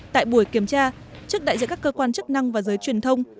tại buổi kiểm tra trước đại diện các cơ quan chức năng và giới truyền thông